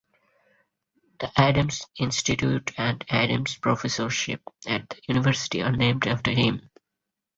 The Adams Institute and Adams Professorship at the university are named after him.